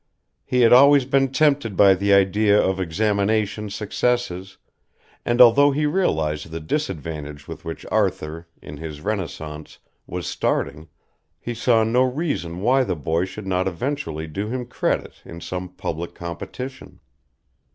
He had always been tempted by the idea of examination successes, and although he realised the disadvantage with which Arthur, in his renaissance, was starting, he saw no reason why the boy should not eventually do him credit in some public competition.